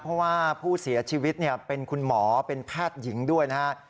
เพราะว่าผู้เสียชีวิตเป็นคุณหมอเป็นแพทย์หญิงด้วยนะฮะ